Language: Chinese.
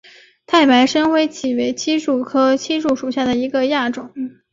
太白深灰槭为槭树科槭属下的一个亚种。